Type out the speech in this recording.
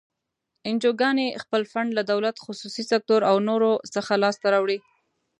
انجوګانې خپل فنډ له دولت، خصوصي سکتور او نورو څخه لاس ته راوړي.